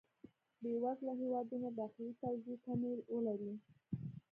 بې وزله هېوادونه داخلي توزېع کمی ولري.